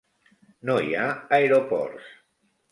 No hi ha aeroports.